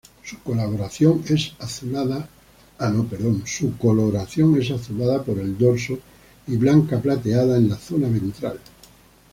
Su coloración es azulada por el dorso y blanca plateada en la zona ventral.